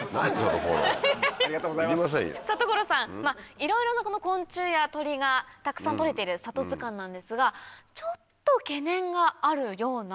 いろいろな昆虫や鳥がたくさん撮れてる里図鑑なんですがちょっと懸念があるようなんです。